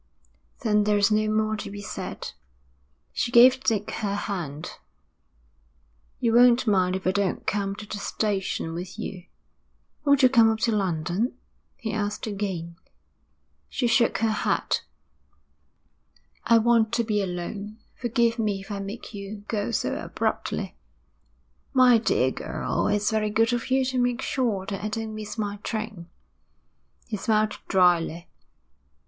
'Then there is no more to be said.' She gave Dick her hand. 'You won't mind if I don't come to the station with you?' 'Won't you come up to London?' he asked again. She shook her head. 'I want to be alone. Forgive me if I make you go so abruptly.' 'My dear girl, it's very good of you to make sure that I don't miss my train,' he smiled drily.